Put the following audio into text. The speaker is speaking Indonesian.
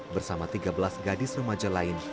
bersama tiga belas gadis remaja lain